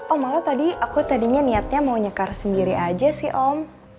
oh malah tadi aku tadinya niatnya mau nyekar sendiri aja sih om